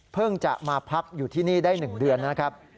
จะมาพักอยู่ที่นี่ได้๑เดือนนะครับ